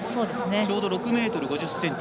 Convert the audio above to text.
ちょうど６ｍ５０ｃｍ。